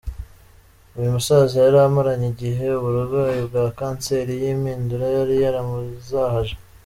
Uyu musaza yari amaranye igihe uburwayi bwa kanseri y’impindura yari yaramuzahaje.